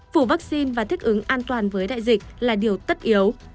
phủ vaccine và thích ứng an toàn với đại dịch là điều tất yếu